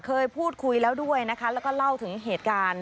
เคยพูดคุยแล้วด้วยนะคะแล้วก็เล่าถึงเหตุการณ์